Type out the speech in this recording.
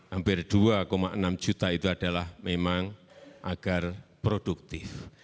hampir dua enam juta itu adalah memang agar produktif